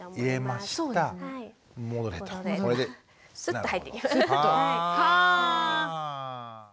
スッと入っていきます。